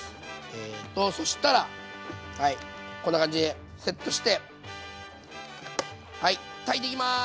えとそしたらはいこんな感じでセットして炊いていきます！